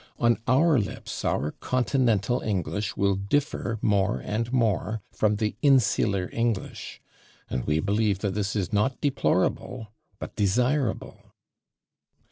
... On our lips our continental English will differ more and more from the insular English, and we believe that this is not deplorable but desirable."